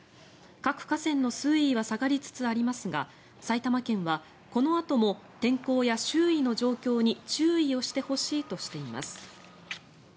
各河川の水位は下がりつつありますが埼玉県はこのあとも天候や周囲の状況に注意をしてほしいとしています。